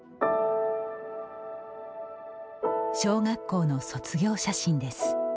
小学校の卒業写真です。